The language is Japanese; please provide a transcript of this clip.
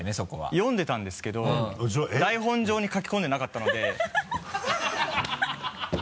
読んでたんですけど台本上に書き込んでなかったのでハハハ